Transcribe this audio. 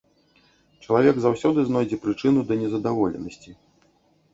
Чалавек заўсёды знойдзе прычыну да незадаволенасці.